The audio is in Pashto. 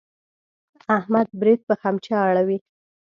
احمد برېت په خمچه اړوي.